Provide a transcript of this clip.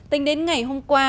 tính đến ngày hôm qua